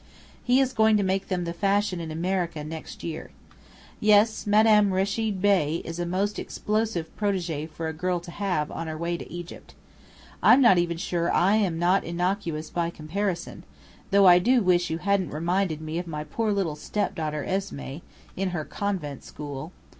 He is going to make them the fashion in America, next year. Yes, Madame Rechid Bey is a most explosive protégée for a girl to have, on her way to Egypt. I'm not sure even I am not innocuous by comparison; though I do wish you hadn't reminded me of my poor little step daughter Esmé, in her convent school.